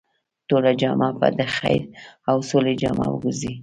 ټوله جامعه به د خير او سولې جامعه وګرځي.